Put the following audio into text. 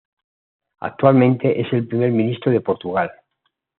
Actualmente es el primer ministro de Portugal.